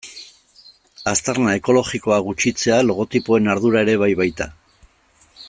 Aztarna ekologikoa gutxitzea logotipoen ardura ere bai baita.